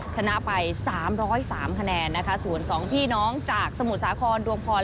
ชนะไป๓๐๓คะแนนนะคะส่วน๒พี่น้องจากสมุทรสาครดวงพร